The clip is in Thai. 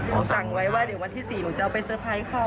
สั่งไว้ว่าเดี๋ยววันที่๔หนูจะเอาไปเตอร์ไพรส์เขา